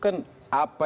apa yang harus dilakukan